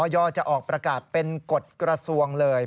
จะออกประกาศเป็นกฎกระทรวงเลย